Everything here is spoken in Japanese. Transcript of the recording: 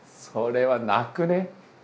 それは泣くね。